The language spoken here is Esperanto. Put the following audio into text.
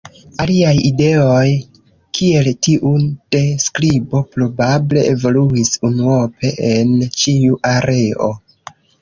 Aliaj ideoj kiel tiu de skribo probable evoluis unuope en ĉiu areo.